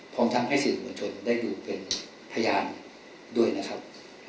พร้อมทั้งให้สื่อมวลชนได้ดูเป็นพยานด้วยนะครับ